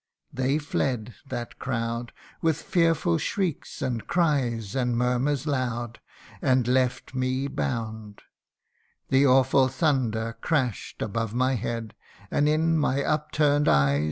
They fled, that crowd, With fearful shrieks, and cries, and murmurs loud, And left me bound. The awful thunder crash 'd Above my head ; and in my up turn'd eyes 120 THE UNDYING ONE.